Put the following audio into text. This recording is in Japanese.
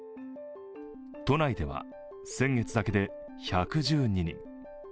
都内では先月だけで１１２人。